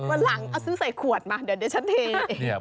วันหลังเอาซื้อใส่ขวดมาเดี๋ยวดิฉันเท